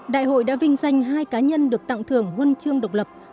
đại hội đã vinh danh hai cá nhân được tặng thưởng huân chương độc lập